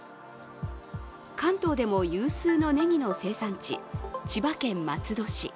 関東でも有数のねぎの生産地、千葉県松戸市。